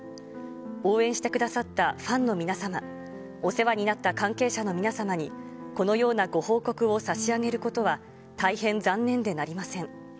応援してくださったファンの皆様、お世話になった関係者の皆様に、このようなご報告を差し上げることは大変残念でなりません。